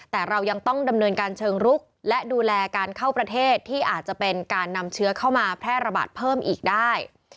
แต่เรายังต้องดำเนินการเชิงรุกและดูแลการเข้าประเทศที่อาจจะเป็นการนำเชื้อเข้ามาแพร่ระบาดเพิ่มอีกได้